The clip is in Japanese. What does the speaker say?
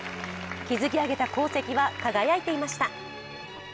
築き上げた功績は輝いていました。